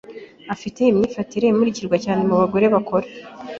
Afite imyifatire imurikirwa cyane ku bagore bakora.